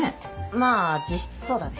まあ実質そうだね。